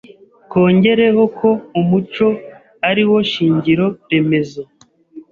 Twongereho ko umuco ari wo shingiro remezo